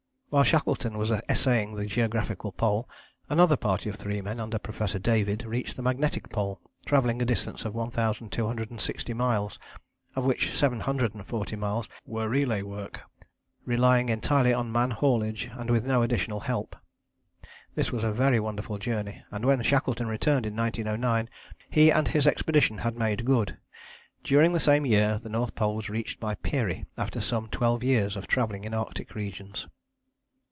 While Shackleton was essaying the geographical Pole another party of three men under Professor David reached the magnetic Pole, travelling a distance of 1260 miles, of which 740 miles were relay work, relying entirely on man haulage, and with no additional help. This was a very wonderful journey, and when Shackleton returned in 1909 he and his expedition had made good. During the same year the North Pole was reached by Peary after some twelve years of travelling in Arctic regions.